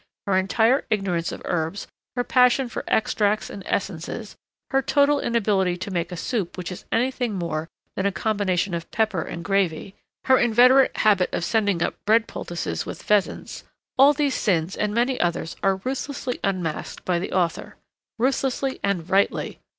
Her entire ignorance of herbs, her passion for extracts and essences, her total inability to make a soup which is anything more than a combination of pepper and gravy, her inveterate habit of sending up bread poultices with pheasants, all these sins and many others are ruthlessly unmasked by the author. Ruthlessly and rightly.